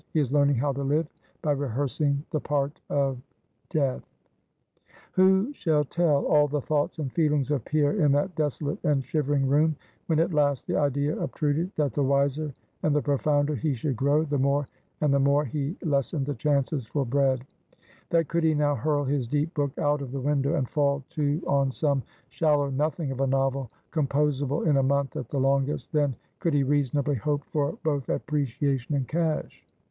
He is learning how to live, by rehearsing the part of death. Who shall tell all the thoughts and feelings of Pierre in that desolate and shivering room, when at last the idea obtruded, that the wiser and the profounder he should grow, the more and the more he lessened the chances for bread; that could he now hurl his deep book out of the window, and fall to on some shallow nothing of a novel, composable in a month at the longest, then could he reasonably hope for both appreciation and cash.